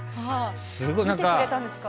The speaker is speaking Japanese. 見てくれたんですか？